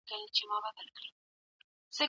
سیاسي او اقتصادي خپلواکي یې ترلاسه کړې ده؛ خو